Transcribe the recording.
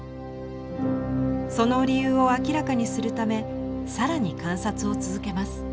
その理由を明らかにするため更に観察を続けます。